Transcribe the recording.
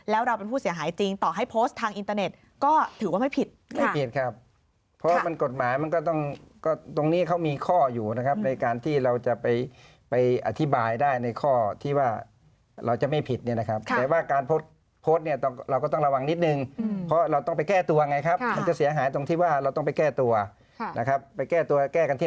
แล้วเราเป็นผู้เสียหายจริงต่อให้โพสต์ทางอินเตอร์เน็ตก็ถือว่าไม่ผิดไม่ผิดครับเพราะว่ามันกฎหมายมันก็ต้องก็ตรงนี้เขามีข้ออยู่นะครับในการที่เราจะไปไปอธิบายได้ในข้อที่ว่าเราจะไม่ผิดเนี่ยนะครับแต่ว่าการโพสต์โพสต์เนี่ยเราก็ต้องระวังนิดนึงเพราะเราต้องไปแก้ตัวไงครับมันจะเสียหายตรงที่ว่าเราต้องไปแก้ตัวนะครับไปแก้ตัวแก้กันที่